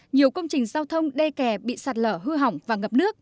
nhiều công trình giao thông đê kè bị sạt lở hư hỏng và ngập nước